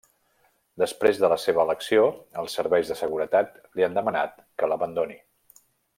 Després de la seva elecció, els serveis de seguretat li han demanat que l'abandoni.